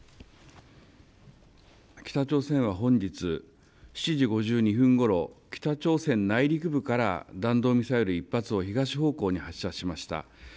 北朝鮮は本日７時５２分ごろ北朝鮮内陸部から弾道ミサイル１発を東方向に発射しました。